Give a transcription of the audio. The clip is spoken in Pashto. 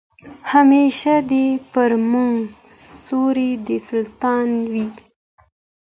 همېشه دي پر موږ سیوری د سلطان وي